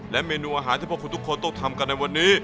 เมนูอาหารที่พวกคุณทุกคนต้องทำกันในวันนี้